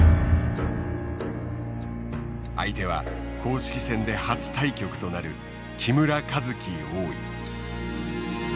相手は公式戦で初対局となる木村一基王位。